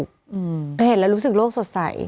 เพราะเห็นแล้วรู้สึกโลกสดใส